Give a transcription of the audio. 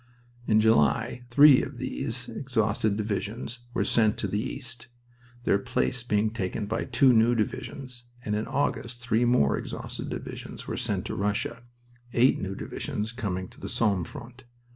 In July three of these exhausted divisions were sent to the east, their place being taken by two new divisions, and in August three more exhausted divisions were sent to Russia, eight new divisions coming to the Somme front.